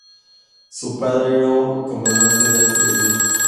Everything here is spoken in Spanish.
Su padre era un comandante de artillería.